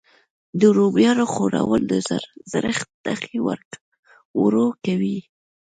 د رومیانو خووړل د زړښت نښې ورو کوي.